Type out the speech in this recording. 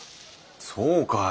そうかい。